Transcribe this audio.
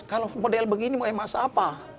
kalau model begini mau masa apa